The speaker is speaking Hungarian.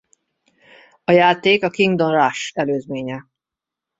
A játék a Kingdom Rush előzménye.